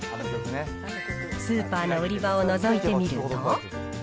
スーパーの売り場をのぞいてみると。